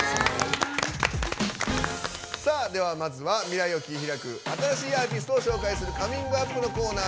では、まずは未来を切り開く新しいアーティストを紹介する「ＣｏｍｉｎｇＵｐ！」のコーナー。